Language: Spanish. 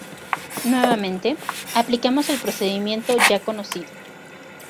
Nuevamente, aplicamos el procedimiento ya conocido.